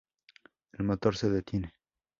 El motor se detiene.